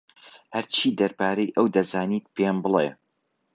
هەرچی دەربارەی ئەو دەزانیت پێم بڵێ.